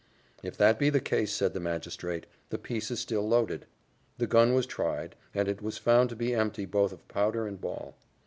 "If that be the case," said the magistrate, "the piece is still loaded." The gun was tried, and it was found to be empty both of powder and ball.